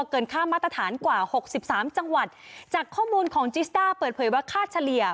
เกินค่ามาตรฐานกว่าหกสิบสามจังหวัดจากข้อมูลของจิสด้าเปิดเผยว่าค่าเฉลี่ย